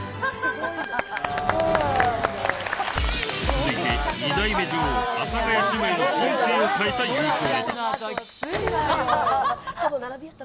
続いて２代目女王、阿佐ヶ谷姉妹の人生を変えた優勝ネタ。